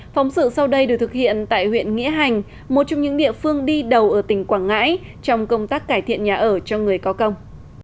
phóng sự sau đây được thực hiện tại huyện nghĩa hành một trong những địa phương đi đầu ở tỉnh quảng ngãi trong công tác cải thiện nhà ở cho người có công